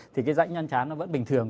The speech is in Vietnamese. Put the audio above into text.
thì cái dãnh nhăn chán nó vẫn bình thường